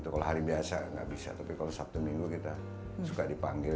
kalau hari biasa nggak bisa tapi kalau sabtu minggu kita suka dipanggil